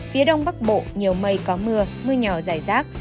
phía đông bắc bộ nhiều mây có mưa mưa nhỏ rải rác